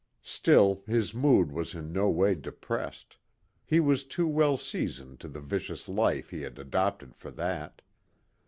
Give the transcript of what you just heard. Still, his mood was in no way depressed he was too well seasoned to the vicious life he had adopted for that.